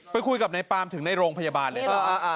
ไปคุยกับนายปามถึงในโรงพยาบาลเลยนะ